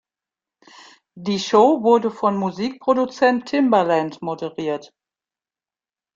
Die Show wurde von Musikproduzent Timbaland moderiert.